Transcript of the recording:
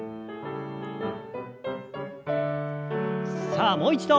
さあもう一度。